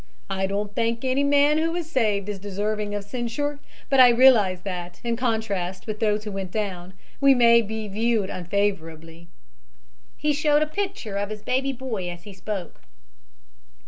I don't think any man who was saved is deserving of censure, but I realize that, in contrast with those who went down, we may be viewed unfavorably." He showed a picture of his baby boy as he spoke.